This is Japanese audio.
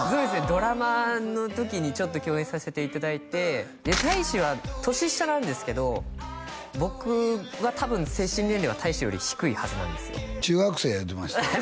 ドラマの時にちょっと共演させていただいて大志は年下なんですけど僕が多分精神年齢は大志より低いはずなんですよ中学生や言うてましたよああ